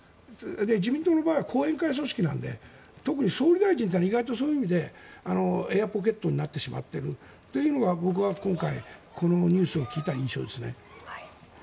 自民党の場合は後援会組織なので特に総理大臣はそういう意味でエアポケットになってしまっているというのが僕は今回、このニュースを聞いた印象ですね。